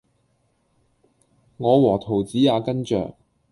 我和桃子也跟著